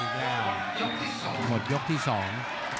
ไม่ว่าหมดยกที่สอง